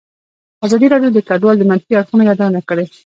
ازادي راډیو د کډوال د منفي اړخونو یادونه کړې.